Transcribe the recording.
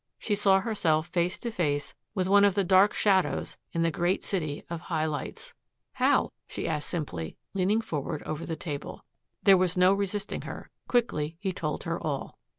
She saw herself face to face with one of the dark shadows in the great city of high lights. "How?" she asked simply, leaning forward over the table. There was no resisting her. Quickly he told her all.